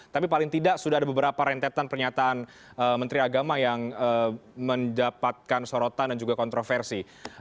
tapi paling tidak sudah ada beberapa rentetan pernyataan menteri agama yang mendapatkan sorotan dan juga kontroversi